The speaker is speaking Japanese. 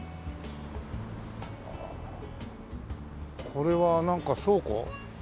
これはなんか倉庫？